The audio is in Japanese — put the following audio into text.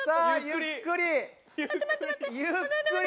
ゆっくり。